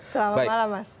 selamat malam mas